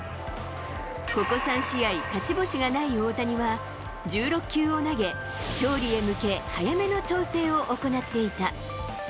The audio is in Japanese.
ここ３試合、勝ち星がない大谷は１６球を投げ、勝利へ向け、早めの調整を行っていた。